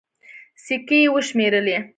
سيکې يې وشمېرلې.